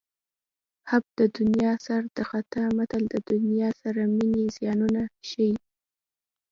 حب د دنیا سر د خطا متل د دنیا سره مینې زیانونه ښيي